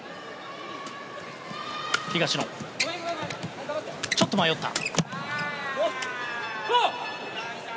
東野、ちょっと迷った。